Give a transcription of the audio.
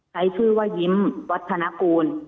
ใช้ชื่อว่ายิ้มวัฒนกูล